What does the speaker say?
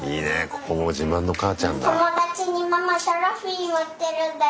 ここも自慢の母ちゃんだ。